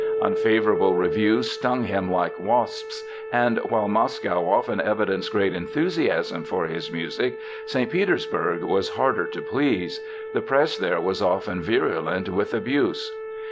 Unfavorable reviews stung him like wasps. And while Moscow often evidenced great enthusiasm for his music, St. Petersburg was harder to please. The press there was often virulent with abuse.